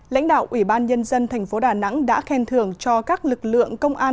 lãnh đạo ủy ban nhân dân tp đà nẵng đã khen thưởng cho các lực lượng công an